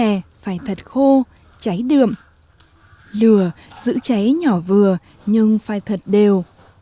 chè phải thật khô cháy đượm lửa giữ cháy nhỏ vừa nhưng phải thật đều